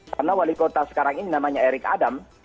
karena wali kota sekarang ini namanya eric adam